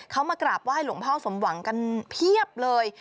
เขามากราบไห้หลวงพ่อสมหวังกันเพียบเลย